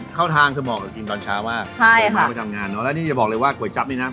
เข้าทางคือเหมาะกับกินตอนเช้ามากใช่ค่ะโปรดมากกว่าทำงานเนอะและนี่จะบอกเลยว่าก๋วยจั๊บนี่น่ะ